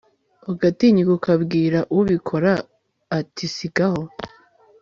agatinyuka kubwira ubikora ati sigaho